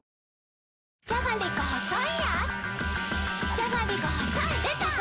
じゃがりこ細いやーつ